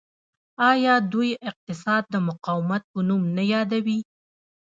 آیا دوی اقتصاد د مقاومت په نوم نه یادوي؟